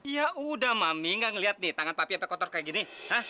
ya udah mami gak ngeliat nih tangan papi sampai kotor kayak gini